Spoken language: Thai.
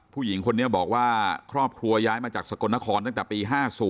ผู้หญิงคนนี้บอกว่าครอบครัวย้ายมาจากสกลนครตั้งแต่ปี๕๐